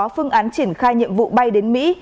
phương án triển khai nhiệm vụ bay đến mỹ